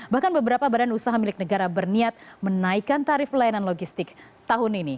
bahkan beberapa badan usaha milik negara berniat menaikkan tarif pelayanan logistik tahun ini